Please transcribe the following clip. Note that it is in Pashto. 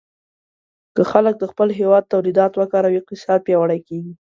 که خلک د خپل هېواد تولیدات وکاروي، اقتصاد پیاوړی کېږي.